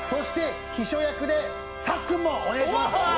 秘書役でさっくんもお願いします。